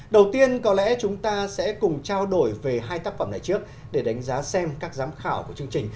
đầu tiên có lẽ chúng ta sẽ cùng trao đổi về hai tác phẩm này trước để đánh giá xem các giám khảo của chương trình